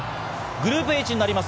グループＨになります。